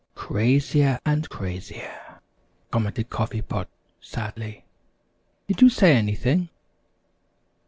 "Crazier and crazier!" commented Coffee Pot, sadly. "Did you say anything?"